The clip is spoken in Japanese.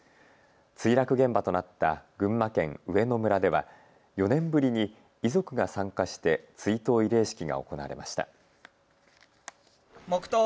墜落現場となった群馬県上野村では４年ぶりに遺族が参加して追悼慰霊式が行われました。